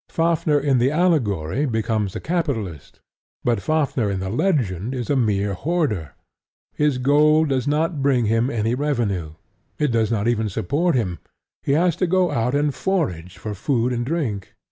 Fafnir in the allegory becomes a capitalist; but Fafnir in the legend is a mere hoarder. His gold does not bring him in any revenue. It does not even support him: he has to go out and forage for food and drink.